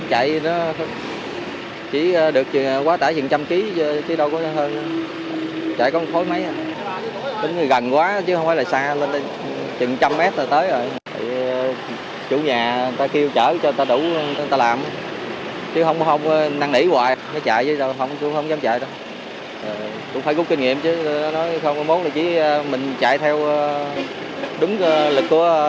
hãy cút kinh nghiệm chứ không có mốt là chỉ mình chạy theo đúng lực của nhà nước thôi không có tái phạm nữa